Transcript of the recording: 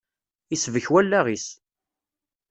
Isbek wallaɣ-is.